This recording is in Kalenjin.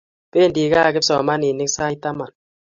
Pendi kaa kipsomaninik sait taman